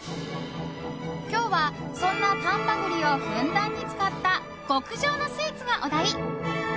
今日は、そんな丹波栗をふんだんに使った極上のスイーツがお題。